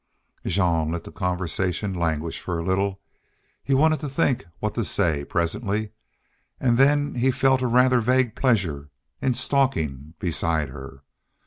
Jean let the conversation languish for a little. He wanted to think what to say presently, and then he felt a rather vague pleasure in stalking beside her.